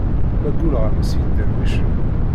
Ma gguleɣ-am s iderwicen.